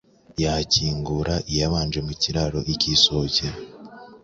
yakingura iyabanje mu kiraro ikisohokera!!